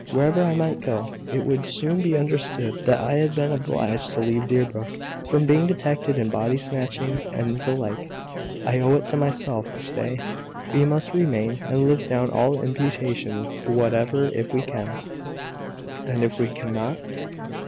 Wherever I might go, it would soon be understood that I had been obliged to leave Deerbrook, from being detected in body snatching and the like. I owe it to myself to stay. We must remain, and live down all imputations whatever, if we can." "And if we cannot?"